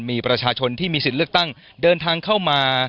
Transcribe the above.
มีประชาชนที่มีสิทธิ์เลือกตั้งเดินทางเข้ามา